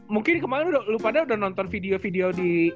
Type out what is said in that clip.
mungkin kemarin lu padahal udah nonton video video di